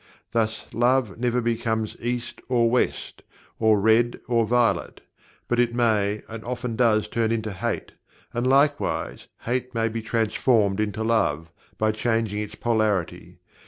Thus Love never becomes East or West, or Red or Violet but it may and often does turn into Hate and likewise Hate may be transformed into Love, by changing its polarity.